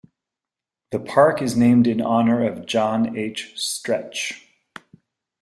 The park is named in honor of John H. Stretch.